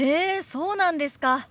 そうなんですか。